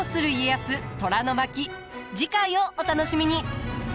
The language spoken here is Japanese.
次回をお楽しみに。